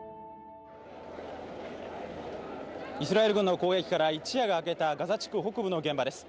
イスラエル軍の攻撃から一夜が明けたガザ地区北部の現場です。